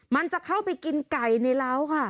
มันจะเข้าไปกินไก่ในร้าวค่ะ